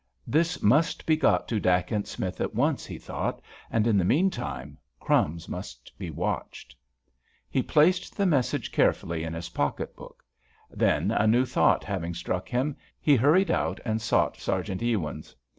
"This must be got to Dacent Smith at once," thought he; "and in the meantime 'Crumbs' must be watched." He placed the message carefully in his pocket book. Then, a new thought having struck him, he hurried out and sought Sergeant Ewins.